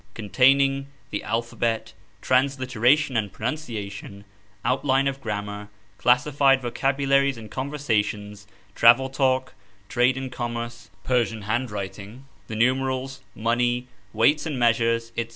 CONTAINING THE ALPHABET, TRANSLITERATION & PRONUNCIATION; OUTLINE OF GRAMMAR ; CLASSIFIED VOCABULARIES AND CONVERSATIONS; TRAVEL TALK, TRADE AND COMMERCE ; PERSIAN HANDWRITING ; THE NUMERALS, MONEY, WEIGHTS & MEASURES; &c.